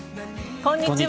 こんにちは。